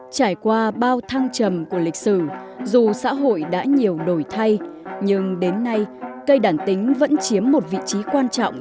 trải qua bao thăng trầm của lịch sử dù xã hội đã nhiều đổi thay nhưng đến nay cây đàn tính vẫn chiếm một vị trí quan trọng